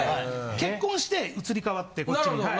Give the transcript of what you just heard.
結婚して移り変わってこっちに。